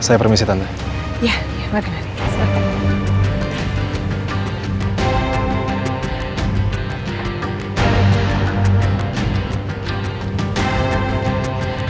saya permisi tante